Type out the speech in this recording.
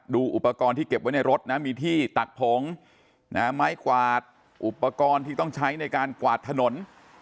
อุปกรณ์ที่เก็บไว้ในรถนะมีที่ตักผงไม้กวาดอุปกรณ์ที่ต้องใช้ในการกวาดถนน